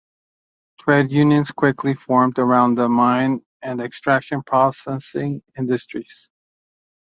Trade unions quickly formed around the mine and extraction processing industries.